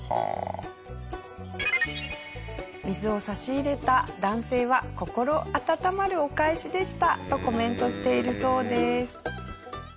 水を差し入れた男性は「心温まるお返しでした」とコメントしているそうです。